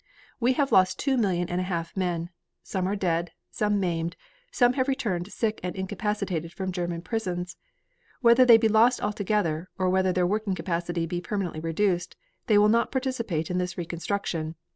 "We have lost two million and a half men; some are dead, some maimed, some have returned sick and incapacitated from German prisons. Whether they be lost altogether, or whether their working capacity be permanently reduced, they will not participate in this reconstruction.